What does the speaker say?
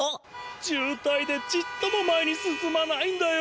じゅうたいでちっとも前に進まないんだよ。